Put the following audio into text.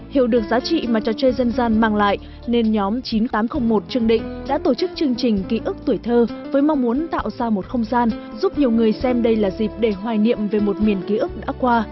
hiểu được giá trị mà trò chơi dân gian mang lại nên nhóm chín nghìn tám trăm linh một trương định đã tổ chức chương trình ký ức tuổi thơ với mong muốn tạo ra một không gian giúp nhiều người xem đây là dịp để hoài niệm về một miền ký ức đã qua